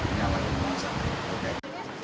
ini alat yang bisa membuktikan